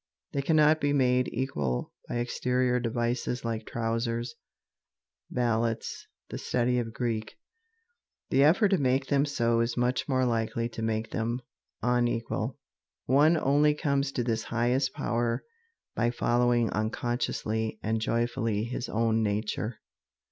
They cannot be made equal by exterior devices like trousers, ballots, the study of Greek. The effort to make them so is much more likely to make them unequal. One only comes to his highest power by following unconsciously and joyfully his own nature.